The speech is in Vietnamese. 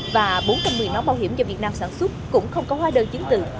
và bốn trăm một mươi nón bảo hiểm do việt nam sản xuất cũng không có hóa đơn chứng từ